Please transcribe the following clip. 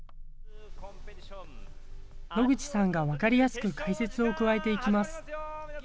野口さんが分かりやすく解説を加えていきます。